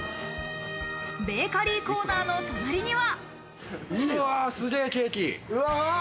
ベーカリーコーナーの隣には。